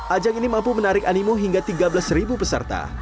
ajang ini mampu menarik animu hingga tiga belas peserta